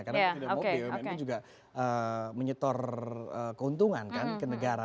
karena itu juga menyetor keuntungan kan ke negara